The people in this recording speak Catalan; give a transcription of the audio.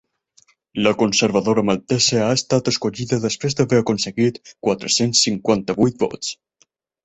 La conservadora maltesa ha estat escollida desprès d’haver aconseguit quatre-cents cinquanta-vuit vots.